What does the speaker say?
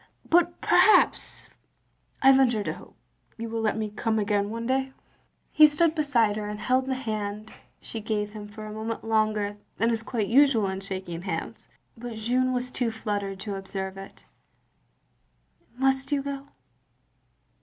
But perhaps — I venture to hope — ^you will let me come again one day?" He stood beside her, and held the hand she gave him for a moment longer than is quite usual in shaking hands; but Jeanne was too fluttered to observe it. "Must you go?"